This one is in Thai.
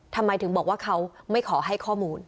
ทำไมถึงบอกว่าเขาไม่ขอให้ข้อมูล